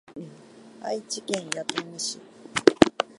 愛知県弥富市